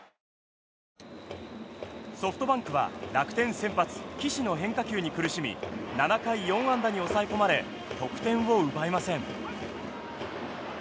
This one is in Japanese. ソフトバンクは楽天先発岸の変化球に苦しみ７回４安打に抑え込まれ得点を奪えません。